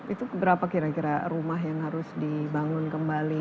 itu berapa kira kira rumah yang harus dibangun kembali